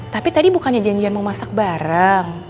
tapi tadi bukannya janjian mau masak bareng